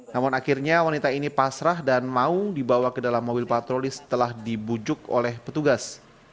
namun akhirnya wanita ini pasrah dan mau dibawa ke dalam mobil patroli setelah dibujuk oleh petugas